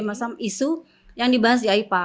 macam isu yang dibahas di aipa